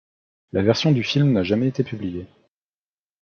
La version du film n'a jamais été publiée.